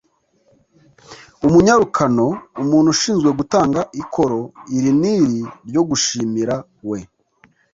umunyarukano: umuntu ushinzwe gutanga ikoro iri n’iri ryo gushimira (we